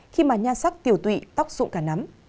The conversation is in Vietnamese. khi mà nhan sắc tiểu tụy tóc sụn cả nắm